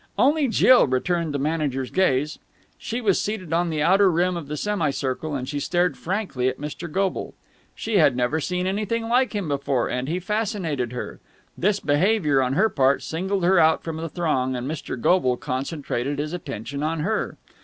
Only Jill returned the manager's gaze. She was seated on the outer rim of the semi circle, and she stared frankly at Mr. Goble. She had never seen anything like him before, and he fascinated her. This behaviour on her part singled her out from the throng, and Mr. Goble concentrated his attention on her.